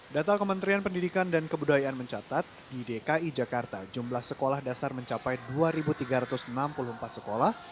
data kementerian pendidikan dan kebudayaan mencatat di dki jakarta jumlah sekolah dasar mencapai dua tiga ratus enam puluh empat sekolah